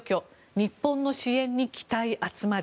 日本の支援に期待集まる。